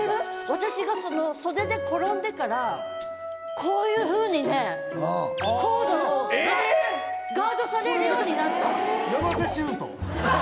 私が袖で転んでからこういうふうにねコードがガードされるようになった！